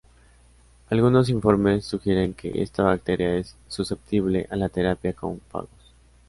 Algunos informes sugieren que esta bacteria es susceptible a la terapia con fagos.